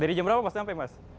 dari jam berapa mas sampai mas